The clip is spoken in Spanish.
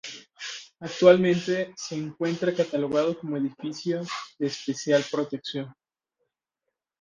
Actualmente se encuentra catalogado como edificio de Especial Protección.